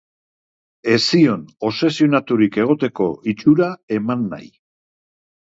Ez zion obsesionaturik egoteko itxura eman nahi.